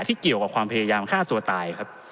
ที่เกี่ยวกับความพยายามฆ่าตัวตายครับ